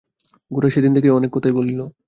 গোরা সেদিন অনেক কথাই বলিল।